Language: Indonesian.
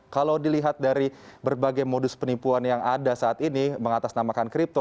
kalau dilihat dari berbagai modus penipuan yang ada saat ini mengatasnamakan kripto